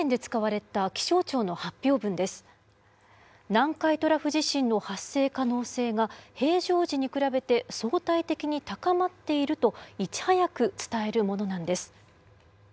「南海トラフ地震の発生可能性が平常時に比べて相対的に高まっている」といち早く伝えるものなんです。